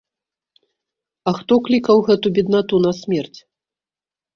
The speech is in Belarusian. А хто клікаў гэту беднату на смерць?